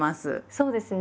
そうですね。